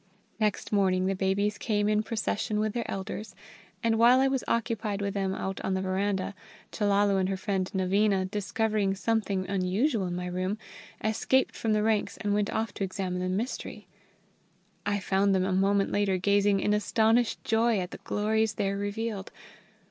Next morning the babies came in procession with their elders, and while I was occupied with them out on the verandah, Chellalu and her friend Naveena, discovering something unusual in my room, escaped from the ranks and went off to examine the mystery. I found them a moment later gazing in astonished joy at the glories there revealed.